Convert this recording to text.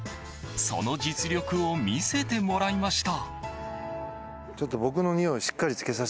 その実力を見せてもらいました。